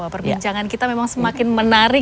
perbincangan kita memang semakin menarik